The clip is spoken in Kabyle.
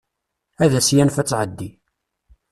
Ad as-yanef ad tɛeddi.